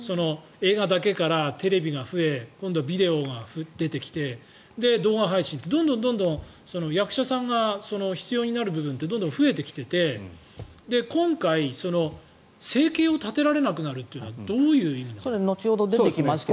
映画だけから、テレビが増え今度はビデオが出てきて動画配信ってどんどん役者さんが必要になる部分ってどんどん増えてきていて今回、生計を立てられなくなるというのは後ほど出てきますが。